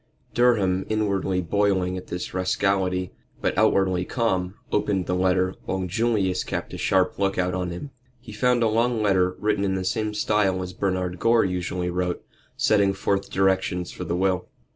Durham, inwardly boiling at this rascality, but outwardly calm, opened the letter, while Julius kept a sharp look out on him. He found a long letter, written in the same style as Bernard Gore usually wrote, setting forth directions for the will.